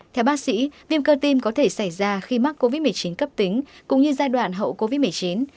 theo bác sĩ viêm cơ tim có thể xảy ra khi mắc covid một mươi chín cấp tính cũng như giai đoạn hậu covid một mươi chín